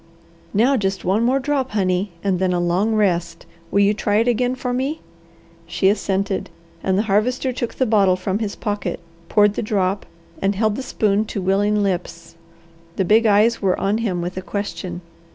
"Now just one more drop, honey, and then a long rest. Will you try it again for me?" She assented, and the Harvester took the bottle from his pocket, poured the drop, and held the spoon to willing lips. The big eyes were on him with a question.